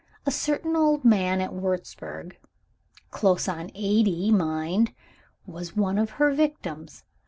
A certain old man at Wurzburg close on eighty, mind was one of her victims.